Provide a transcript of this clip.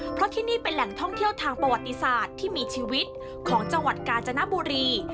เพราะที่นี่เป็นแหล่งท่องเที่ยวทางประวัติศาสตร์ที่มีชีวิตของจังหวัดกาญจนบุรี